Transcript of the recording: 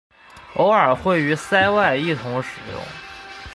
偶尔会与塞外一同使用。